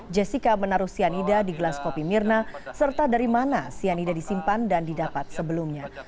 jessica menaruh cyanida di gelas kopi mirna serta dari mana cyanida disimpan dan didapat sebelumnya